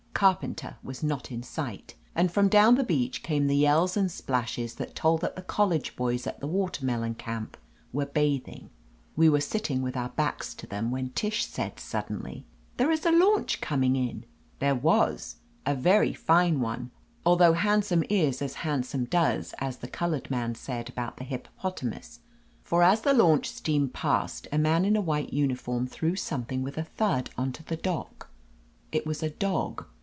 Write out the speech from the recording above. Carpenter was not in sight, and from down the beach came the yells and splashes that told that the college boys at the Watermelon Camp were bathing. We were sitting with our backs to them, when Tish said suddenly : "There is a launch coming in.*^ There was, a very fine one, although hand some is as handsome does, as the colored man said about the hippopotamus. For as the launch steamed past, a man in a white imiform threw something with a thud on to the dock. It was a dog.